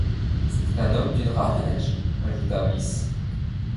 C’était un homme d’une rare énergie! ajouta Mrs.